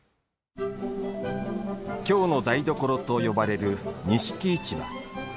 京の台所と呼ばれる錦市場。